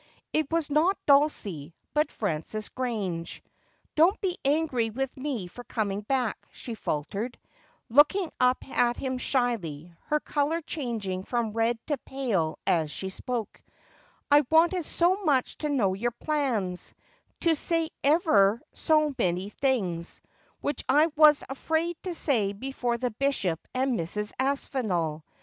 It was not Dulcie, but Frances Grange. 'Don't be angry with me for coming back,' she faltered, looking up at him shyly, her colour changing from red to pale as she spoke ;' I wanted so much to know your plans — to say ever so many things — which I was afraid to eay before the bishop and Mrs. Aspinall.